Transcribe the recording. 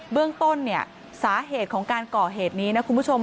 เรื่องต้นเนี่ยสาเหตุของการก่อเหตุนี้นะคุณผู้ชม